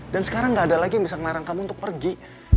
dan sekarang gak ada lagi yang bisa narang kamu untuk pergi